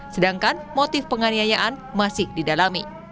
sedangkan motif penganiayaan masih didalami